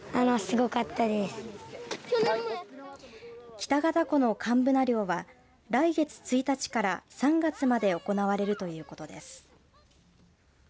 北潟湖の寒ブナ漁は来月１日から３月まで行われるということです。